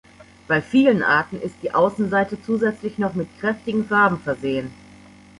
Bei vielen Arten ist die Außenseite zusätzlich noch mit kräftigen Farben versehen.